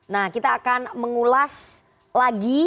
nah kita akan mengulas lagi